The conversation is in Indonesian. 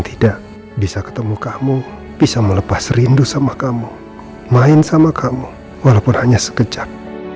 tidak bisa ketemu kamu bisa melepas rindu sama kamu main sama kamu walaupun hanya sekejap